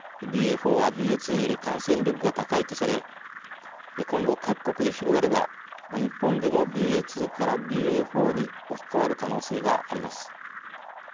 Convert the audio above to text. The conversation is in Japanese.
ＢＡ．４は、ＢＡ．２より感染力が高いとされ今後、各国で広がれば日本でも、ＢＡ．２からＢＡ．４に置き換わる可能性があります。